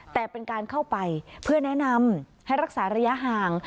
แต่เป็นการเข้าไปเพื่อแนะนำให้รักษาระยะห่าง